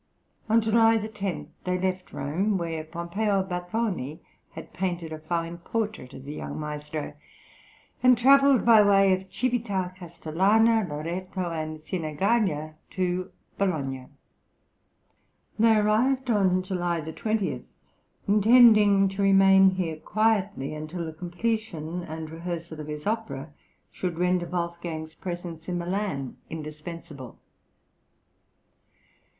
On July 10, they left Rome, where Pomp. Battoni had painted a fine portrait of the young maestro, and travelled by way of Cività Castellana, Loretto, and Sini gaglia to Bologna. They arrived on July 20, intending to remain here quietly until the completion and rehearsal of his opera should render Wolfgang's presence in Milan indispensable.